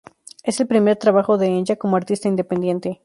Es el primer trabajo de Enya como artista independiente.